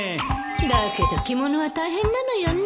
だけど着物は大変なのよね